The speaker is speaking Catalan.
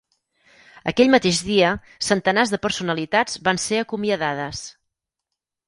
Aquell mateix dia, centenars de personalitats van ser acomiadades.